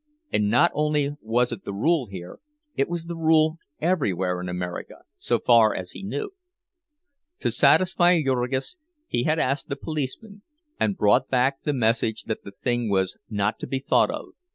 And not only was it the rule here, it was the rule everywhere in America, so far as he knew. To satisfy Jurgis he had asked the policeman, and brought back the message that the thing was not to be thought of.